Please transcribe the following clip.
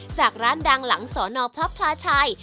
จากร้านดังหลังสอนอพระพลาชัย